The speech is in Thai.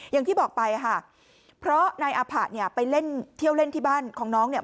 อย่างที่บอกไปค่ะเพราะนายอาผะเนี่ยไปเล่นเที่ยวเล่นที่บ้านของน้องเนี่ย